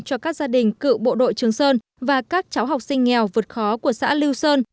cho các gia đình cựu bộ đội trường sơn và các cháu học sinh nghèo vượt khó của xã lưu sơn